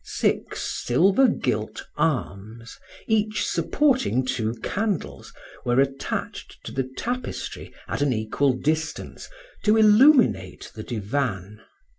Six silver gilt arms, each supporting two candles, were attached to the tapestry at an equal distance, to illuminate the divan.